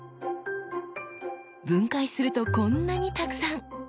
分解するとこんなにたくさん！